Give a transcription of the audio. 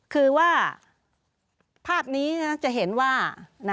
คือว่าภาพนี้จะเห็นว่า